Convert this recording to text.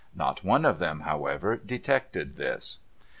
Not one of them, however, detected this.